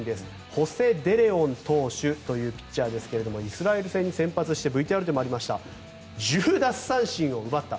ホセ・デレオン投手というピッチャーですがイスラエル戦に先発してＶＴＲでもありました１０奪三振を奪った。